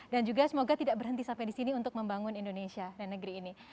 dan juga semoga tidak berhenti sampai disini untuk membangun indonesia dan negeri ini